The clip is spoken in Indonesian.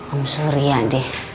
om surya deh